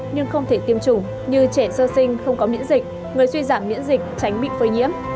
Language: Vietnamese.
nhưng không thể tiêm chủng như trẻ sơ sinh không có miễn dịch người suy giảm miễn dịch tránh bị phơi nhiễm